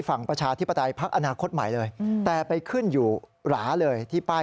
ประชาธิปไตยพักอนาคตใหม่เลยแต่ไปขึ้นอยู่หราเลยที่ป้าย